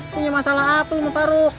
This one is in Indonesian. punya masalah apa lo sama faruq